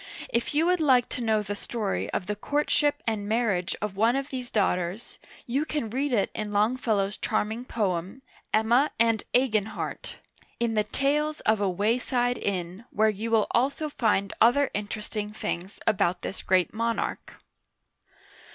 If you would like to know the story of the courtship and marriage of one of these daughters, you can read it in Longfellow's charming poem, " Emma and Eginhard " (a'gin hart), in the Ta/es of uigiTizea Dy vjiOOQlC 8o OLD FRANCE a Wayside Inn^ where you will also find other interesting things about this great monarch.